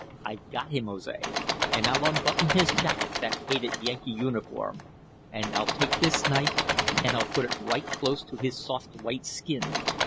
I've got him, Jose! And I'll unbutton his jacket, that hated Yankee uniform. And I'll take this knife and I'll put it right close to his soft, white skin.